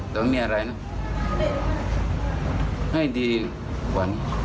ตรงนี้อะไรนะให้ดีกว่านี้